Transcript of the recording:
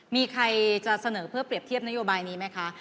มีใครจะเสนอเพื่อเปรียบเทียบนโยบายนี้ไหมคะ